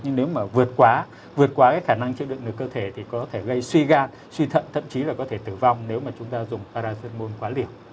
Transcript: nhưng nếu mà vượt quá vượt quá cái khả năng chữa đựng được cơ thể thì có thể gây suy gan suy thận thậm chí là có thể tử vong nếu mà chúng ta dùng paracetamol quá liền